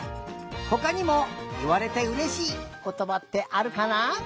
ほかにもいわれてうれしいことばってあるかな？